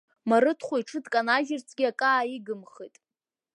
Марыҭхәа иҽы дканажьырцгьы акы ааигымхеит.